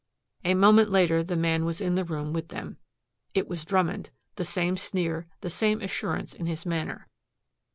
A moment later the man was in the room with them. It was Drummond, the same sneer, the same assurance in his manner.